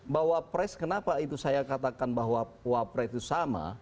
bahwa pres kenapa itu saya katakan bahwa wapres itu sama